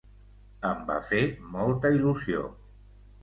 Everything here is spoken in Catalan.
Em va fer molta il·lusió.